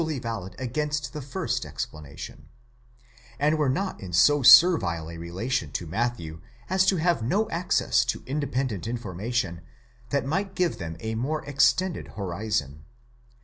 267 valid against the first explanation) ; and were not in so servile a relation to Matthew as to have no access to independent information that might give them a more extended horizon.